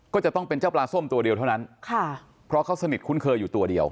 ก็จะต้องเป็นเจ้าปลาส้มตัวเดียวเท่านั้นค่ะเพราะเขาสนิทคุ้นเคยอยู่ตัวเดียว